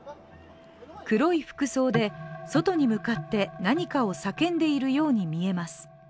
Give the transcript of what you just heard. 黒い服装で、外に向かって何かを叫んでいるように見えます。